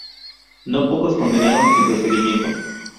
No pocos condenaron el procedimiento.